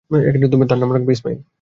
তার নাম রাখবে ইসমাঈল।